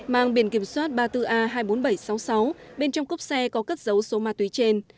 mang biển kiểm soát ba mươi bốn a hai mươi bốn nghìn bảy trăm sáu mươi sáu bên trong cốp xe có cất dấu số ma túy trên